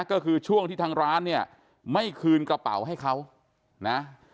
ก็คือช่วงที่ทางร้านเนี่ยไม่คืนกระเป๋าให้เขานะ